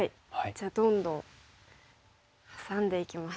じゃあどんどんハサんでいきます。